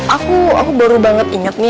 aku aku baru banget inget nih